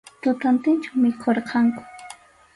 Tutantinchu mikhurqanku.